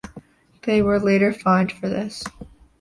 They were later fined for this.